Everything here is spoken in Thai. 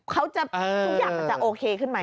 เขาจะทุกอย่างจะโอเคขึ้นไหม